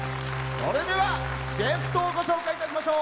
それでは、ゲストをご紹介いたしましょう。